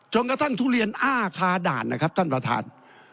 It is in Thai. กระทั่งทุเรียนอ้าคาด่านนะครับท่านประธาน